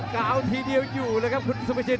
กล่าวทีเดียวอยู่เลยครับคุณสุพิชิน